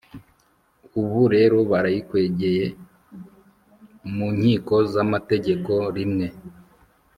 Ubu rero barayikwegeye mu nkiko zamategeko rimwe